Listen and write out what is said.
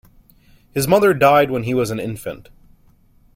His mother died when he was an infant.